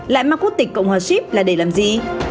lại mang quốc tịch cộng hòa ship là để làm gì